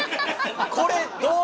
これどう？